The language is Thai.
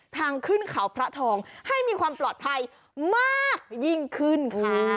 ทางขึ้นเขาพระทองให้มีความปลอดภัยมากยิ่งขึ้นค่ะ